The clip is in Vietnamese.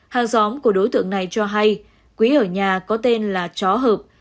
hàng xóm của đối tượng này cho hay quý ở nhà có tên là chó hợp